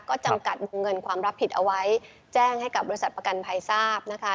ก็จำกัดเงินความรับผิดเอาไว้แจ้งให้กับบริษัทประกันภัยทราบนะคะ